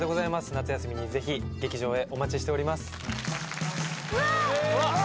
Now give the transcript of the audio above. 夏休みにぜひ劇場へお待ちしておりますうわっ！